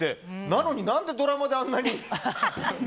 なのに何で、ドラマであんなに。